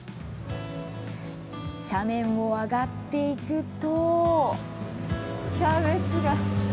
斜面を上がっていくと。